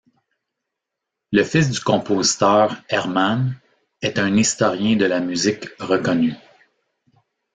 Le fils du compositeur, Hermann, est un historien de la musique reconnu.